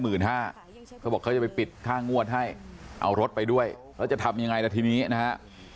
เขาบอกเขาจะไปปิดค่างวดให้เอารถไปด้วยแล้วจะทำยังไงล่ะทีนี้นะฮะ